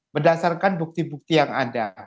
berdasarkan bukti bukti yang ada